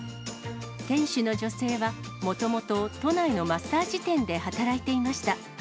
店主の女性は、もともと都内のマッサージ店で働いていました。